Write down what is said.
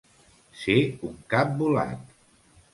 Ser un cap volat.